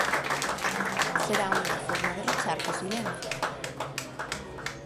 Será unha forma de rachar co silencio.